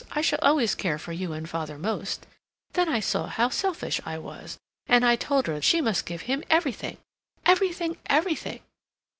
I shall always care for you and father most,' then I saw how selfish I was, and I told her she must give him everything, everything, everything!